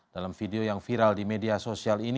dalam video yang viral di media sosial ini